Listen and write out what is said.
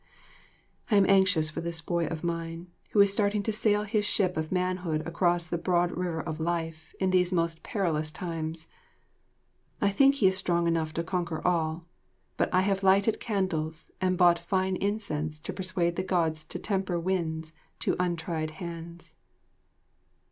I am anxious for this boy of mine, who is starting to sail his ship of manhood across the Broad River of Life in these most perilous times. I think he is strong enough to conquer all, but I have lighted candles and bought fine incense to persuade the Gods to temper winds to untried hands.